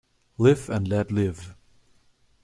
Live and let live.